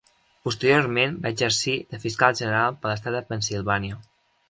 Posteriorment va exercir de fiscal general per a l'estat de Pennsilvània.